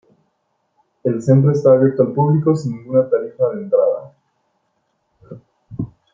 El centro está abierto al público sin ninguna tarifa de entrada..